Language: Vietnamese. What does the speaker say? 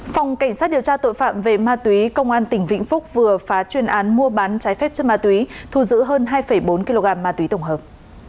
phòng cảnh sát điều tra tội phạm về ma túy công an tỉnh vĩnh phúc vừa phá chuyên án mua bán trái phép chất ma túy thu giữ hơn hai bốn kg ma túy tổng hợp